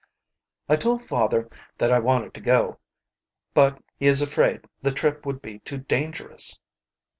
"I told father that I wanted to go, lout he is afraid the trip would be too dangerous."